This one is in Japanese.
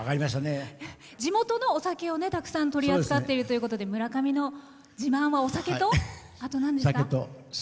地元のお酒をたくさん取り扱っているということで村上の自慢は、お酒とあと、なんですか？